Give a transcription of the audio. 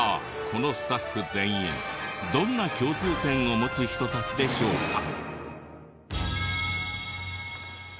このスタッフ全員どんな共通点を持つ人たちでしょうか？